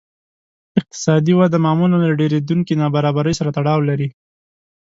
اقتصادي وده معمولاً له ډېرېدونکې نابرابرۍ سره تړاو لري